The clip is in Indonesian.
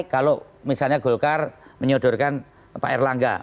kalau misalnya golkar menyodorkan pak erlangga